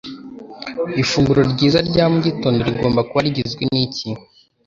Ifunguro ryiza rya mugitondo rigomba kuba rigizwe niki?